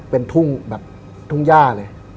เป็นทุ่งแบบทุ่งย่าเลย